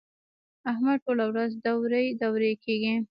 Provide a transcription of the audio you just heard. احمد ټوله ورځ دورې دورې کېږي.